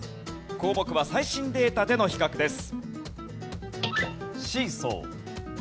項目は最新データでの比較です。